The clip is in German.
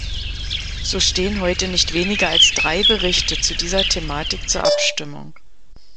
So stehen heute nicht weniger als drei Berichte zu dieser Thematik zur Abstimmung.